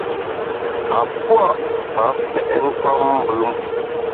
A pua’ pa pèt nkammbùm.